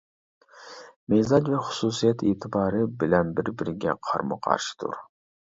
مىزاج ۋە خۇسۇسىيەت ئېتىبارى بىلەن بىر-بىرىگە قارمۇ قارشىدۇر.